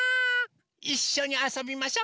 いっしょにあそびましょ。